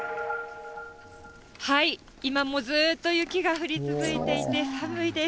今もずっと雪が降り続いていて、寒いです。